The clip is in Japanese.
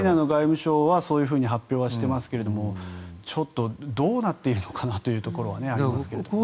外務省はそういうふうに発表していますがちょっとどうなっているのかなというところはありますが。